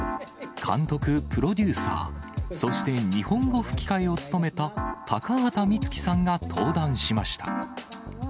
監督、プロデューサー、そして日本語吹き替えを務めた高畑充希さんが登壇しました。